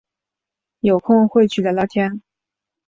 有空会去聊聊天